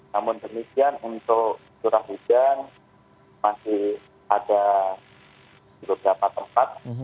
namun demikian untuk curah hujan masih ada di beberapa tempat